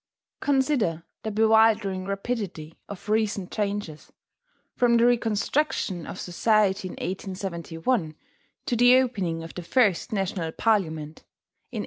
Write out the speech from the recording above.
Consider the bewildering rapidity of recent changes, from the reconstruction of society in 1871 to the opening of the first national parliament in 1891.